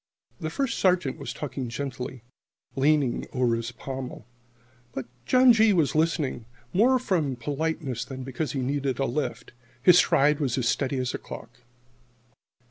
The First Sergeant was talking gently, leaning over his pommel. But John G. was listening more from politeness than because he needed a lift. His stride was as steady as a clock.